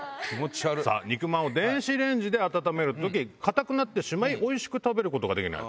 肉まんを電子レンジで温める時硬くなってしまいおいしく食べることができない。